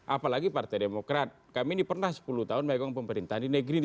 apalagi partai demokrat kami ini pernah sepuluh tahun megang pemerintahan di negeri ini